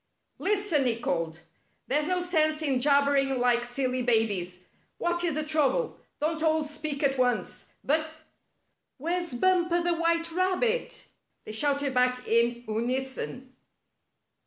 " Lis ten," he called. " There's no sense in jabbering like silly babies. What is the trouble? Don't all speak at once, but —" "Where's Bumper the White Rabbit!" they shouted back in unison.